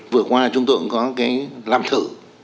vừa qua chúng tôi cũng có cái làm thử